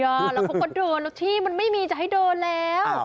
แล้วเขาก็เดินแล้วที่มันไม่มีจะให้เดินแล้ว